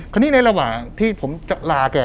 คณี่ไหนระหว่างที่ผมจะลาแก